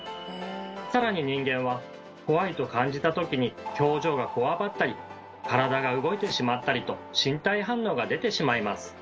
さらに人間は怖いと感じたときに表情がこわばったり体が動いてしまったりと身体反応が出てしまいます。